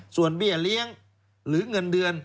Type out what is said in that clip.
ส่วนเบี้ยเลี้ยงหรือเงินเดือน